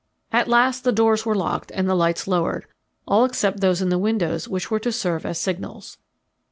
At last the doors were locked and the lights lowered, all except those in the windows which were to serve as signals.